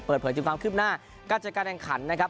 เปิดเผยถึงความคืบหน้าการจัดการแข่งขันนะครับ